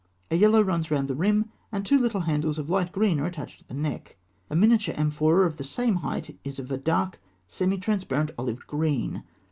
A yellow thread runs round the rim, and two little handles of light green are attached to the neck. A miniature amphora of the same height (fig. 227) is of a dark, semi transparent olive green.